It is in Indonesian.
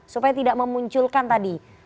supaya tidak memunculkan tadi